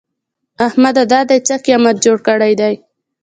احمده! دا دې څه قيامت جوړ کړی دی؟